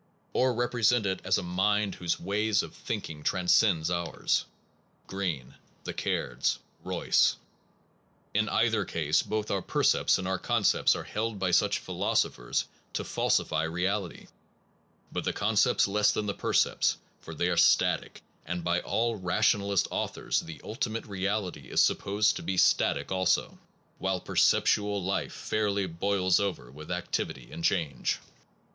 84 PERCEPT AND CONCEPT ways of thinking transcend ours (Green, the Cairds, Royce). In either case, both our per cepts and our concepts are held by such phi losophers to falsify reality; but the concepts less than the percepts, for they are static, and by all rationalist authors the ultimate reality is supposed to be static also, while perceptual life fairly boils over with activity and change.